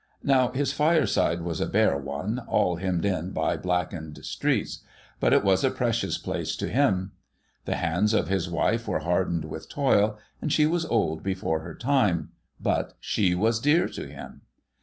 Now, his fireside was a bare one, all hemmed in by blackened streets ; but it was a precious place to him. The hands of his wife were hardened with toil, and she was old before her time ; but she was dear to him.